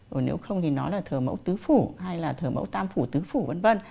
rồi nếu không thì nói là thở mẫu tứ phủ hay là thở mẫu tam phủ tứ phủ v v